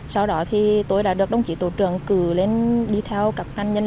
sau đó thì tôi đã được đồng chí tổ trưởng cử lên đi theo các nạn nhân